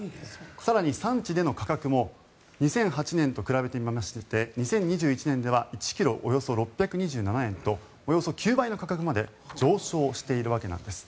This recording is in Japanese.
更に、産地での価格も２００８年と比べてみまして２０２１年では１ｋｇおよそ６２７円とおよそ９倍の価格まで上昇しているわけなんです。